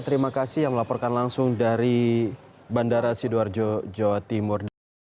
terima kasih yang melaporkan langsung dari bandara sidoarjo jawa timur